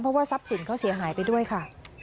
เพราะว่าทรัพย์สินเขาเสียหายไปด้วยค่ะ